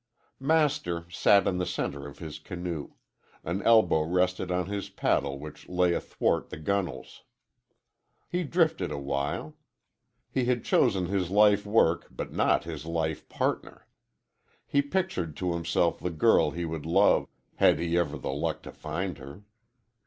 Master sat in the centre of his canoe; an elbow rested on his paddle which lay athwart the gunwales. He drifted awhile. He had chosen his life work but not his life partner. He pictured to himself the girl he would love, had he ever the luck to find her.